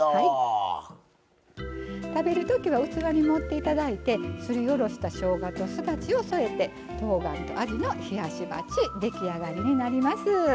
食べるときは器に盛っていただいてすりおろしたしょうがとすだちを添えてとうがんとあじの冷やし鉢出来上がりになります。